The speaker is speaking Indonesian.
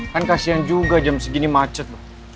kan kasian juga jam segini macet